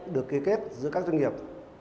và kỳ kết giữa các doanh nghiệp